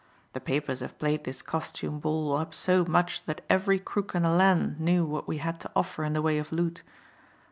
The papers have played this costume ball up so much that every crook in the land knew what we had to offer in the way of loot.